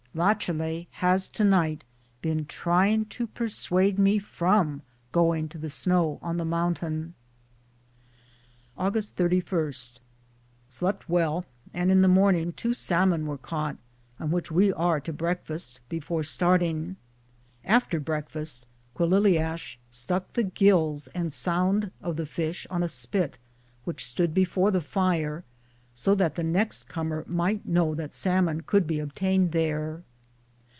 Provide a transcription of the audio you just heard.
Lachalet has tonight been trying to persuade me from going to the snow on the mountain. Aug. 3 1 . Slept well, and in the morning two salmon were caught, on which we are to breakfast before start ing. After breakfast Quillihaish stuck the gills and sound of the fish on a spit which stood before the fire, so that the next comer might know that salmon could be obtained there.